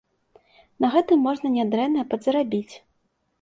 На гэтым можна нядрэнна падзарабіць.